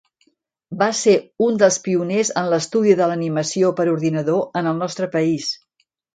Va ser un dels pioners en l'estudi de l'animació per ordinador en el nostre país.